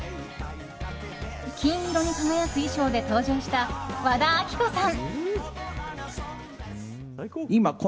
金色に輝く衣装で登場した和田アキ子さん。